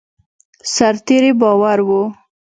سرتېري بار وو.